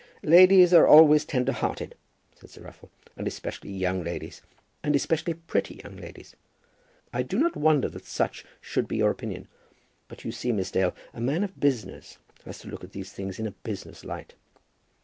"Ladies are always tender hearted," said Sir Raffle, "and especially young ladies, and especially pretty young ladies. I do not wonder that such should be your opinion. But you see, Miss Dale, a man of business has to look at these things in a business light.